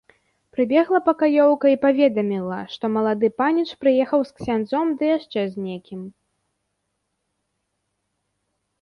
Прыбегла пакаёўка і паведаміла, што малады паніч прыехаў з ксяндзом ды яшчэ з некім.